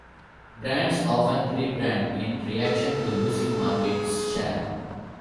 Brands often re-brand in reaction to losing market share.